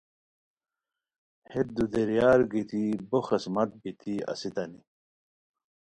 ہیت دودیریار گیتی بوخسمت بیتی اسیتانی